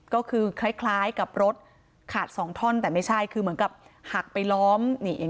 ก็คือคล้ายกับรถขาดสองท่อนแต่ไม่ใช่คือเหมือนกับหักไปล้อมนี่เอง